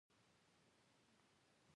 پادري هم له نجونو سره لین بسته کړی.